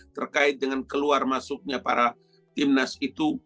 terkait dengan keluar masuknya para timnas itu